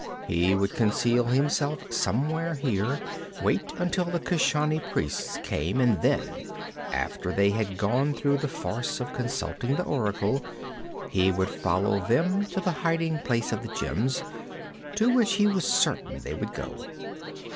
He would conceal himself somewhere here, wait until the Keshani priests came, and then, after they had gone through the farce of consulting the oracle, he would follow them to the hiding place of the gems, to which he was certain they would go.